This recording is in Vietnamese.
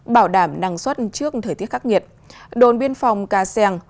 bảo đảm năng suất trước thời tiết khắc nghiệt đồn biên phòng ca seng